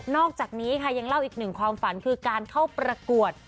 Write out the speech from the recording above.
อกจากนี้ค่ะยังเล่าอีกหนึ่งความฝันคือการเข้าประกวด